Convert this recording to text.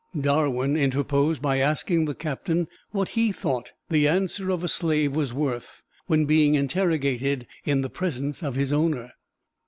Darwin interposed by asking the Captain what he thought the answer of a slave was worth when being interrogated in the presence of his owner.